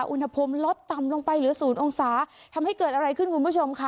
อุณหภูมิลดต่ำลงไปเหลือศูนย์องศาทำให้เกิดอะไรขึ้นคุณผู้ชมค่ะ